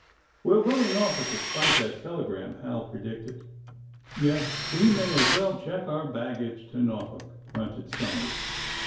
^^We'll go to Norfolk, despite that telegram," Hal predicted. ^^Yes; we may as well check our baggage to Norfolk," grunted Somers.